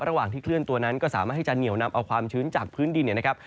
ระหว่างที่เคลื่อนตัวนั้นก็สามารถที่จะเหนียวนำเอาความชื้นจากพื้นดินเนี่ยนะครับ